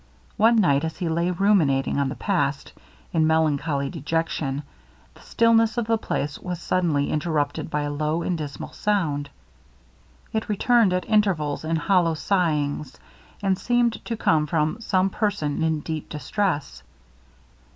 One night as he lay ruminating on the past, in melancholy dejection, the stillness of the place was suddenly interrupted by a low and dismal sound. It returned at intervals in hollow sighings, and seemed to come from some person in deep distress.